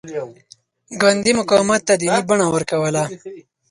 ګاندي مقاومت ته دیني بڼه ورکوله.